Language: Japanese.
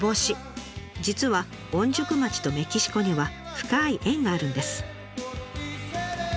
実は御宿町とメキシコには深い縁があるんです。